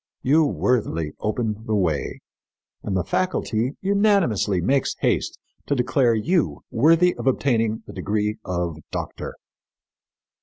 You worthily open the way, and the faculty unanimously makes haste to declare you worthy of obtaining the degree of doctor."